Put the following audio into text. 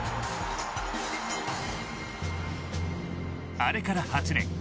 あれから８年。